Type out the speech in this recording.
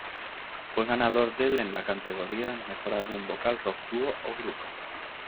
Fue ganador del en la categoría Mejor Álbum Vocal Rock Dúo o Grupo.